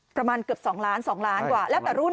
ประมาณเกือบ๒ล้าน๒ล้านกว่าแล้วแต่รุ่น